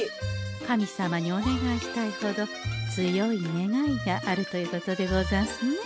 神様にお願いしたいほど強い願いがあるということでござんすね。